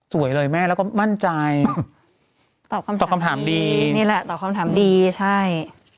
สวยเลยแม่แล้วก็มั่นใจตอบคำตอบคำถามดีนี่แหละตอบคำถามดีใช่